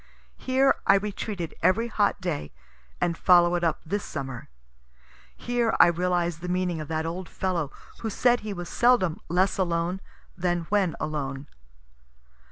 Here I retreated every hot day, and follow it up this summer. Here I realize the meaning of that old fellow who said he was seldom less alone than when alone.